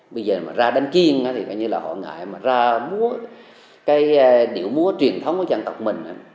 bây giờ mà ra đánh kiên thì coi như là họ ngại mà ra múa cái điệu múa truyền thống của dân tộc mình á